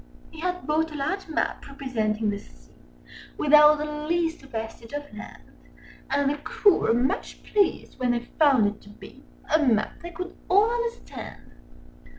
He had bought a large map representing the sea, Â Â Â Â Without the least vestige of land: And the crew were much pleased when they found it to be Â Â Â Â A map they could all understand.